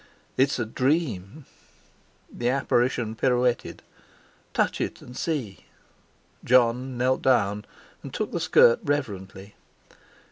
"It's a dream." The apparition pirouetted. "Touch it, and see." Jon knelt down and took the skirt reverently.